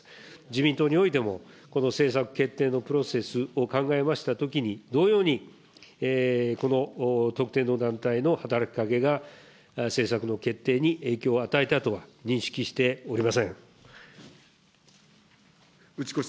自民党においても、この政策決定のプロセスを考えましたときに、同様に、この特定の団体の働きかけが政策の決定に影響を与えたとは認識し打越